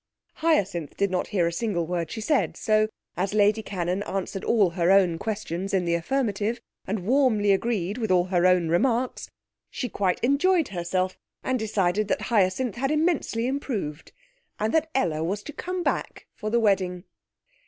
Hyacinth did not hear a single word she said, so, as Lady Cannon answered all her own questions in the affirmative, and warmly agreed with all her own remarks, she quite enjoyed herself, and decided that Hyacinth had immensely improved, and that Ella was to come back for the wedding.